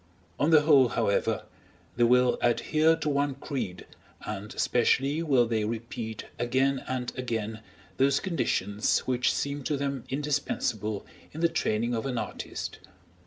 On the whole, however, they will adhere to one creed, and especially will they repeat again and again those conditions which seem to them indispensable in the training of an artist.